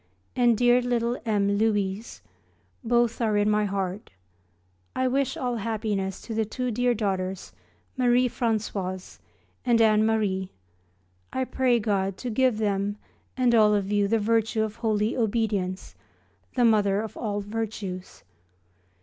and dear little M. Louise; both are in my heart. I wish all happiness to the two dear daughters Marie Françoise and Anne Marie; I pray God to give them and all of you the virtue of holy obedience, the mother of all virtues.